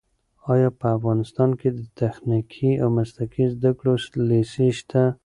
ایا په افغانستان کې د تخنیکي او مسلکي زده کړو لیسې شته؟